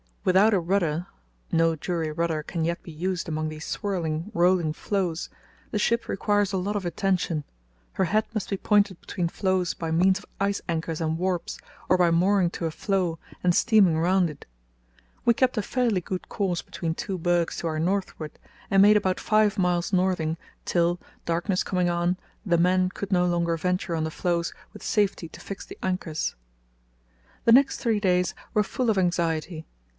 "Without a rudder (no jury rudder can yet be used amongst these swirling, rolling floes) the ship requires a lot of attention. Her head must be pointed between floes by means of ice anchors and warps, or by mooring to a floe and steaming round it. We kept a fairly good course between two bergs to our northward and made about five miles northing till, darkness coming on, the men could no longer venture on the floes with safety to fix the anchors." The next three days were full of anxiety.